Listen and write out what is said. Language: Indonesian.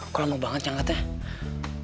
kok lama banget yang angkatnya